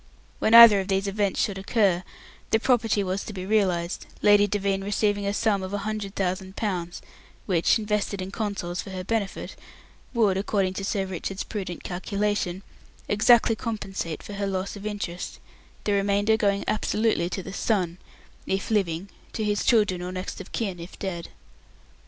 When either of these events should occur, the property was to be realized, Lady Devine receiving a sum of a hundred thousand pounds, which, invested in Consols for her benefit, would, according to Sir Richard's prudent calculation exactly compensate for her loss of interest, the remainder going absolutely to the son, if living, to his children or next of kin if dead.